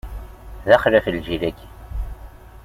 D axlaf, lǧil-agi!